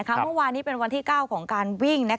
เมื่อวานนี้เป็นวันที่๙ของการวิ่ง